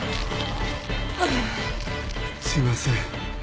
すいません。